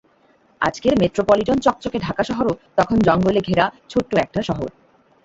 আজকের মেট্রোপলিটন চকচকে ঢাকা শহরও তখন জঙ্গলে ঘেরা ছোট্ট একটা শহর।